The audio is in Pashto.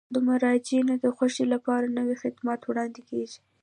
د مراجعینو د خوښۍ لپاره نوي خدمات وړاندې کیږي.